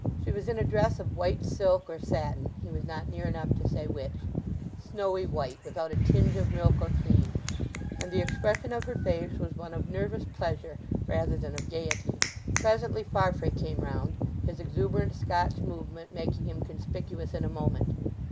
She was in a dress of white silk or satin, he was not near enough to say which—snowy white, without a tinge of milk or cream; and the expression of her face was one of nervous pleasure rather than of gaiety. Presently Farfrae came round, his exuberant Scotch movement making him conspicuous in a moment.